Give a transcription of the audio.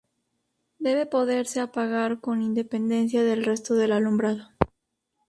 Debe poderse apagar con independencia del resto del alumbrado.